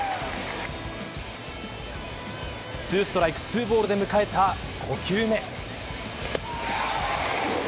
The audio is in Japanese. ２ストライク２ボールで迎えた５球目。